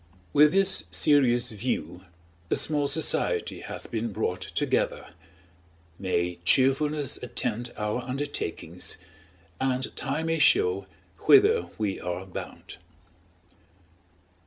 With this serious view, a small society has been brought together; may cheerfulness attend our undertakings, and time may show whither we are bound.